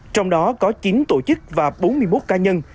trong đó có chín tổ chức và bốn mươi một cá nhân